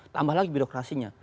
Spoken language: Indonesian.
tambah lagi birokrasinya